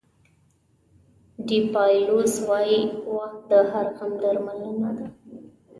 ډیپایلوس وایي وخت د هر غم درملنه ده.